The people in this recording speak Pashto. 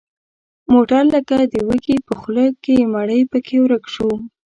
موټر لکه د وږي په خوله کې مړۍ پکې ورک شو.